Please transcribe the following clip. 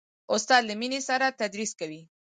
استاد له مینې سره تدریس کوي.